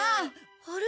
あれ？